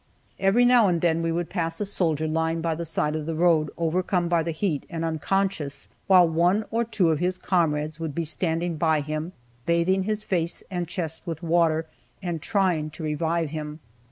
Every now and then we would pass a soldier lying by the side of the road, overcome by the heat and unconscious, while one or two of his comrades would be standing by him, bathing his face and chest with water, and trying to revive him.